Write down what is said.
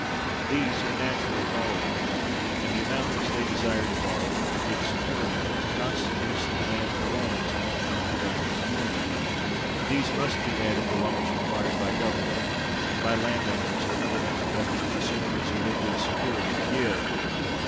These are naturally borrowers: and the amount which they desire to borrow, and can give security for, constitutes the demand for loans on account of productive employment. To these must be added the loans required by Government, and by land owners, or other unproductive consumers who have good security to give.